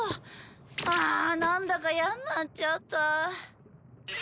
ああなんだか嫌になっちゃった。